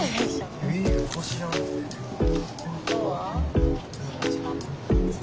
あとは？